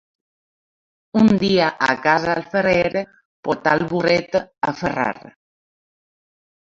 Un dia a casa el ferrer, portà el burret a ferrar.